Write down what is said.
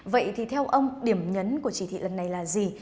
vậy thì theo ông điểm nhấn của chỉ thị lần này là gì